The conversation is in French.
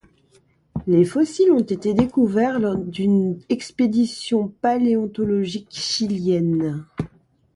Les fossiles ont été découverts lors d'une expédition paléontologique chilienne.